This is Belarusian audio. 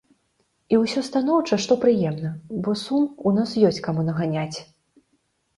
І ўсё станоўча, што прыемна, бо сум ў нас ёсць каму наганяць.